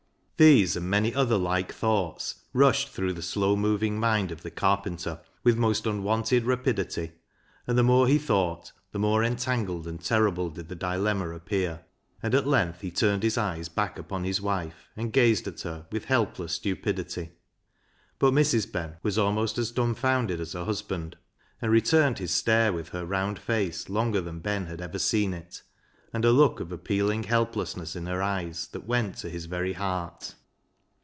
LEAH'S LOVER 57 These and many other like thoughts rushed through the slow moving mind of the carpenter with most unwonted rapidity, and the more he thought the more entangled and terrible did the dilemma appear ; and at length he turned his eyes back upon his wife and gazed at her with helpless stupidity. But Mrs. Ben was almost as dumbfounded as her husband, and returned his stare with her round face longer than Ben had ever seen it, and a look of appealing helplessness in her eyes that went to his very heart.